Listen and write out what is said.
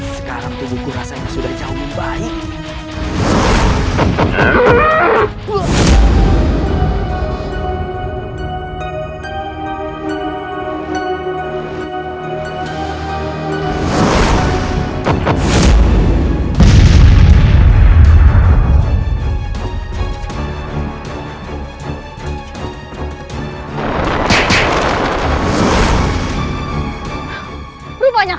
sekarang tubuhku rasanya sudah jauh lebih baik